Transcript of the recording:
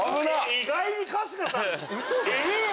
意外に春日さんえっ？